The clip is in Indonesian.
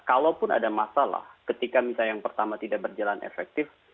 kalaupun ada masalah ketika misalnya yang pertama tidak berjalan efektif